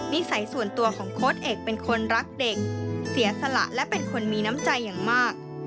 สัยส่วนตัวของโค้ดเอกเป็นคนรักเด็กเสียสละและเป็นคนมีน้ำใจอย่างมาก